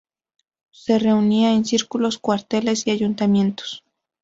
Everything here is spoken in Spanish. Se reunían en Círculos, cuarteles y ayuntamientos.